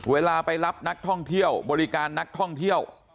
เวลาไปรับนักท่องเที่ยวบริการนักท่องเที่ยว